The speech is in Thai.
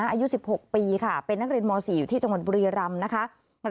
อายุ๑๖ปีเป็นนักเรียนม๔อยู่ที่จังหวัดบริรำ